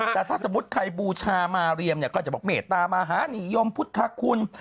แต่ถ้าสมมุติใครบูชามาเรียมเนี่ยก็จะบอกเมตตามหานิยมพุทธคุณ